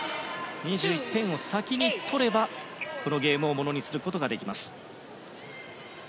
２１点を先に取ればこのゲームをものにすることができます。